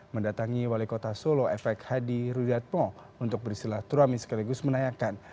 mendatangi wali kota solo efek hadi rudatmo untuk beristirahat turami sekaligus menayakan